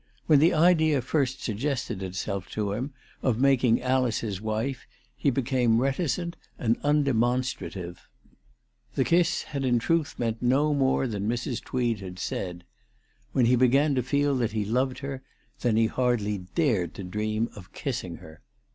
"When the idea first suggested itself to him of making Alice his wife he became reticent and undemonstrative. The kiss had in truth meant no more than Mrs. Tweed had said. ALICE DUGDALE. 363 When lie began to feel that he loved her, then he hardly dared to dream of kissing her.